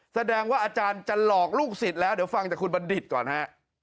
แสดงว่าอาจารย์จะหลอกลูกศิษย์แล้วเดี๋ยวฟังจากคุณบัณฑิตก่อนฮะ